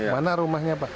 mana rumahnya pak